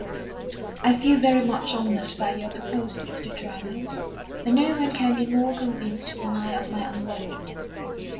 "I feel very much honoured by your proposal, Mr. Dryland. And no one can be more convinced than I of my unworthiness.